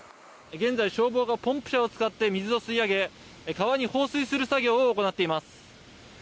現在、消防がポンプ車を使って水を吸い上げ川に放水する作業を行っています。